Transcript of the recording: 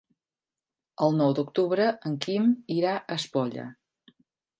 El nou d'octubre en Quim irà a Espolla.